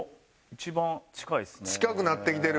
一番近いですね。